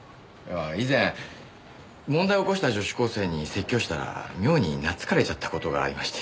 以前問題を起こした女子高生に説教したら妙になつかれちゃった事がありまして。